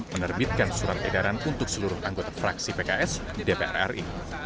menerbitkan surat edaran untuk seluruh anggota fraksi pks dpr ri